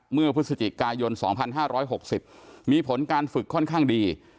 เมื่อพฤศจิกายน๒๕๖๐มีผลการฝึกค่อนข้างดี